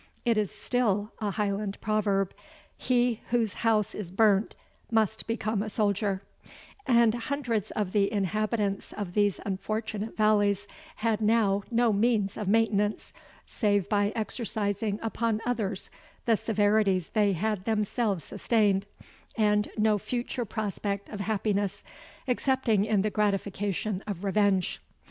It is still a Highland proverb, He whose house is burnt must become a soldier; and hundreds of the inhabitants of these unfortunate valleys had now no means of maintenance, save by exercising upon others the severities they had themselves sustained, and no future prospect of happiness, excepting in the gratification of revenge.